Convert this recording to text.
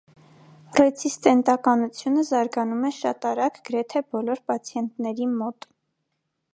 Ռեցիստենտականությունը զարգանում է շատ արագ գրեթե բոլոր պացիենտների մոտ։